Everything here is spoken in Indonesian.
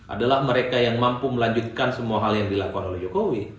adalah mereka yang mampu melanjutkan semua hal yang dilakukan oleh jokowi